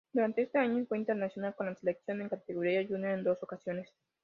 Durante este año fue internacional con la selección en categoría junior en dos ocasiones.